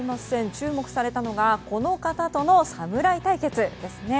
注目されたのがこの方との侍対決ですね。